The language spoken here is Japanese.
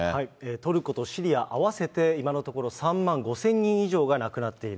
トルコとシリア、合わせて今のところ３万５０００人以上が亡くなっている。